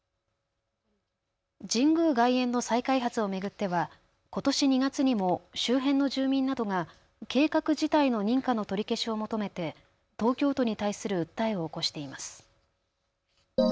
神宮外苑の再開発を巡ってはことし２月にも周辺の住民などが計画自体の認可の取り消しを求めて東京都に対する訴えを起こしています。